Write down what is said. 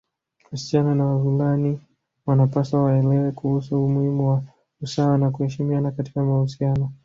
Wasichana na wavulani wanapaswa waelewe kuhusu umuhimu wa usawa na kuheshimiana katika mahusiano